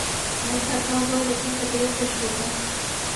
میں تھکا ہوا لیکن قدرے خوش ہوتا۔